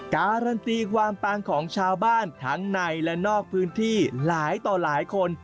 การันตีความปังของชาวบ้านทั้งในและนอกพื้นที่หลายต่อหลายคน